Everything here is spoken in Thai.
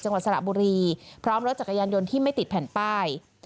จังหวัดสระบุรีพร้อมรถจักรยานยนต์ที่ไม่ติดแผ่นป้าย